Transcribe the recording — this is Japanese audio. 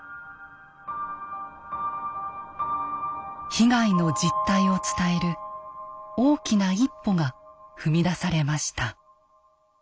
被害の実態を伝える大きな一歩が踏み出されました。